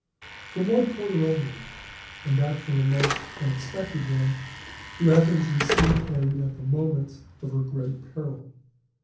From one quarter only, and that from a most unexpected one, did Athens receive aid at the moment of her great peril.